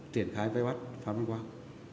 triển khai vai bắt phan văn quang